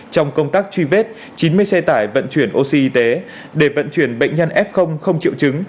trong công tác truy vết chín mươi xe tải vận chuyển oxy để vận chuyển bệnh nhân f không triệu chứng